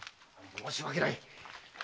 申し訳ない。